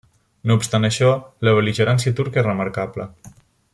No obstant això, la bel·ligerància turca és remarcable.